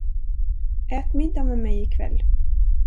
Ät middag med mig i kväll.